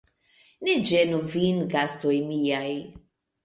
Ne ĝenu vin, gastoj miaj!